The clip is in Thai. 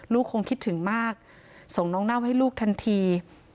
คงคิดถึงมากส่งน้องเน่าให้ลูกทันที